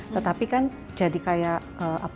tetapi kan jadi kayak apa namanya itu dihadapi